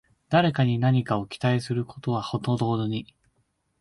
誰かに何かを期待することはほどほどに